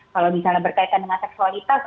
kalau misalnya berkaitan dengan seksualitas